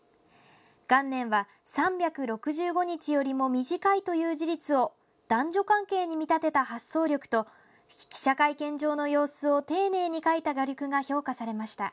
元年は３６５日よりも短いという事実を男女関係に見立てた発想力と記者会見場の様子を丁寧に描いた画力が評価されました。